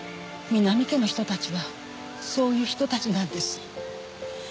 南家の人たちはそういう人たちなんです。